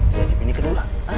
jadi pini kedua